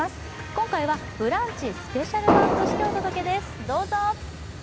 今回は、ブランチスペシャル版としてお届けです。